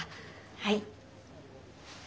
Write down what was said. はい。